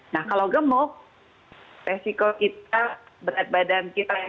nah kalau gemuk resiko kita berat badan kita itu buat jatuh